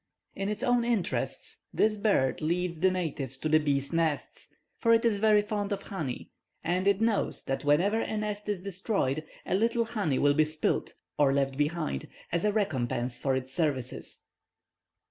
"In its own interests, this bird leads the natives to the bees' nests, for it is very fond of honey, and it knows that whenever a nest is destroyed, a little honey will be spilled, or left behind, as a recompense for its services.